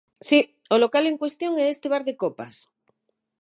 Si, o local en cuestión é este bar de copas.